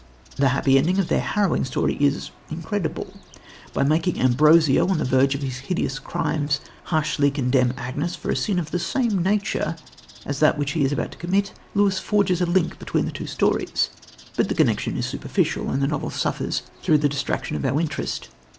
The happy ending of their harrowing story is incredible. By making Ambrosio, on the verge of his hideous crimes, harshly condemn Agnes for a sin of the same nature as that which he is about to commit, Lewis forges a link between the two stories. But the connection is superficial, and the novel suffers through the distraction of our interest.